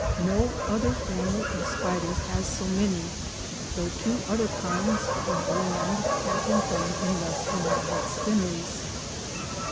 No other family of spiders has so many, though two other kinds of gland have been found in less elaborate spinners.